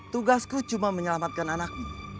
tugasku cuma menyelamatkan anakmu